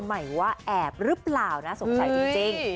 หมายว่าแอบรึเปล่านะสงสัยจริง